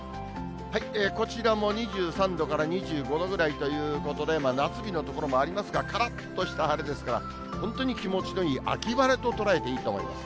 こちらも２３度から２５度ぐらいということで、夏日の所もありますが、からっとした晴れですから、本当に気持ちのいい秋晴れと捉えていいと思います。